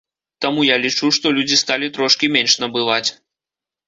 Таму я лічу, што людзі сталі трошкі менш набываць.